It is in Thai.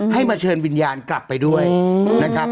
มาเชิญวิญญาณกลับไปด้วยนะครับ